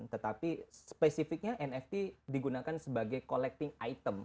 tetapi spesifiknya nft digunakan sebagai collecting item